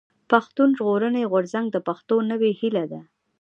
پښتون ژغورني غورځنګ د پښتنو نوې هيله ده.